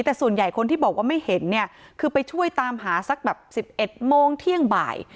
แต่ส่วนใหญ่คนที่บอกว่าไม่เห็นเนี่ยคือไปช่วยตามหาสักแบบ๑๑โมงเที่ยงบ่าย